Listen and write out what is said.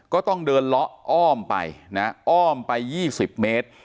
ก็ต้องเดินล้ออ้อมไปนะอ้อมไปยี่สิบเมตร